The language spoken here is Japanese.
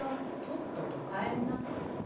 とっとと帰んな。